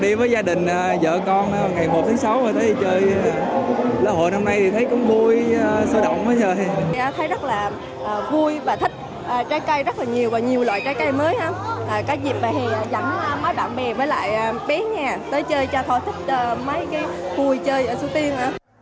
có dịp về hè dẫn mấy bạn bè với lại bé nhà tới chơi cho họ thích mấy cái vui chơi ở suối tiên